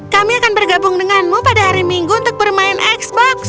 kami akan bergabung denganmu pada hari minggu untuk bermain xbox